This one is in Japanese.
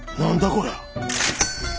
こりゃ。